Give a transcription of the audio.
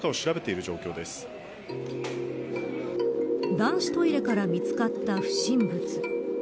男子トイレから見つかった不審物。